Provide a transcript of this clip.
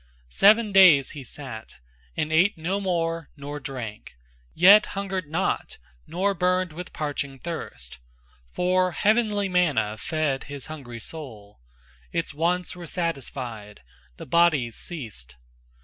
Seven days he sat, and ate no more nor drank, Yet hungered not, nor burned with parching thirst, For heavenly manna fed his hungry soul Its wants were satisfied, the body's ceased.